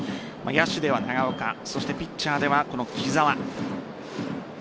野手では長岡ピッチャーではこの木澤。